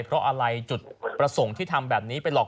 เพราะอะไรจุดประสงค์ที่ทำแบบนี้ไปหลอก